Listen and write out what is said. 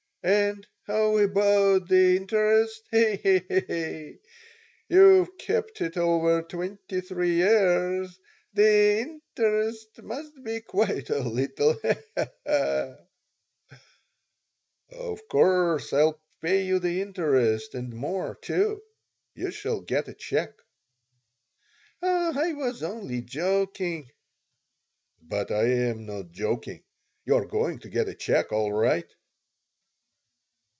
And how about the interest? He, he, he! You've kept it over twenty three years. The interest must be quite a little. He, he, he!" "Of course I'll pay you the interest, and more, too. You shall get a check." "Oh, I was only joking." "But I am not joking. You're going to get a check, all right."